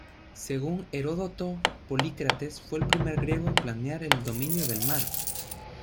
Según Heródoto, Polícrates fue el primer griego en planear el dominio del mar.